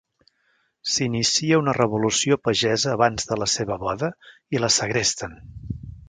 S'inicia una revolució pagesa abans de la seva boda i la segresten.